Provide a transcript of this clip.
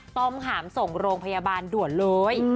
มหามส่งโรงพยาบาลด่วนเลย